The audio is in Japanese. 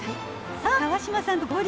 さあ川島さんと合流。